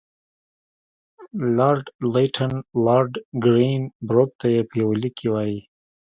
لارډ لیټن لارډ ګرین بروک ته په یوه لیک کې وایي.